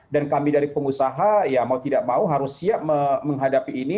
dan kami dari pengusaha ya mau tidak mau harus siap menghadapi ini